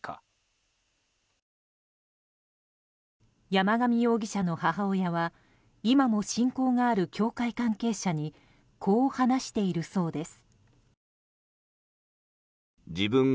山上容疑者の母親は今も親交がある教会関係者にこう話しているそうです。